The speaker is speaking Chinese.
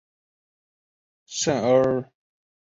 圣阿沃古尔代朗代人口变化图示